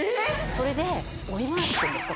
それで帯回しっていうんですか？